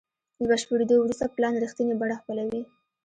له بشپړېدو وروسته پلان رښتینې بڼه خپلوي.